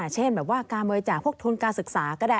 เช่นการโทนการศึกษาก็ได้